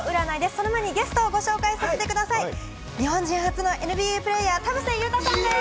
その前にゲストをご紹介させてください、日本人初のＮＢＡプレーヤー・田臥勇太さんです！